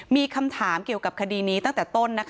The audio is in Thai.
มีคำถามเกี่ยวกับคดีนี้ตั้งแต่ต้น